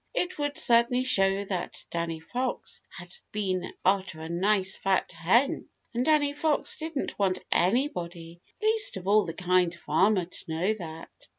It would certainly show that Danny Fox had been after a nice fat hen, and Danny Fox didn't want anybody, least of all the Kind Farmer, to know that.